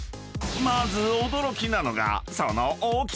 ［まず驚きなのがその大きさ！］